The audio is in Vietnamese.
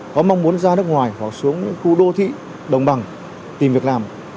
có mong muốn ra nước ngoài hoặc xuống những khu đô thị đồng bằng tìm việc làm